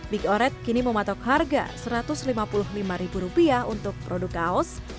big oret kini mematok harga rp satu ratus lima puluh lima untuk produk kaos